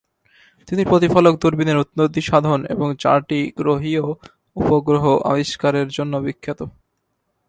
তিনি প্রতিফলক দূরবীনের উন্নতিসাধন এবং চারটি গ্রহীয় উপগ্রহ আবিষ্কারের জন্য বিখ্যাত।